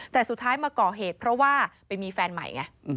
แต่สุดท้ายมาก่อเหตุเพราะว่าไปมีแฟนใหม่ไง